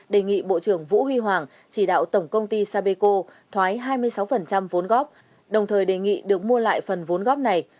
đề nghị bộ trưởng vũ huy hoàng chỉ đạo tổng công ty sapeco thoái hai mươi sáu vốn góp đồng thời đề nghị được mua lại phần vốn góp này